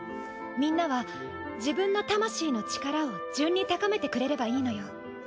みんなは自分の魂の力を順に高めてくれればいいのよ。